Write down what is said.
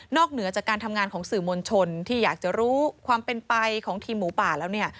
เหนือจากการทำงานของสื่อมวลชนที่อยากจะรู้ความเป็นไปของทีมหมูป่าแล้วเนี่ย